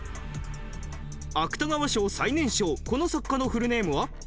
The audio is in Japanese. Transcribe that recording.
芥川賞最年少この作家のフルネームは？